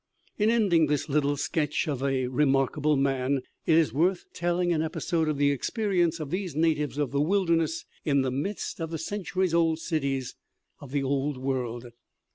In ending this little sketch of a remarkable man it is worth telling an episode of the experience of these natives of the wilderness in the midst of the centuries old cities of the Old World.